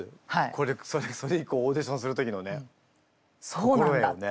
それ以降オーディションする時のね心得をね。